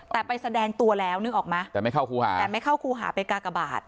แต่ไปแสดงตัวแล้วนึกออกมั้ยแต่ไม่เข้าครูหาไปกากบัตร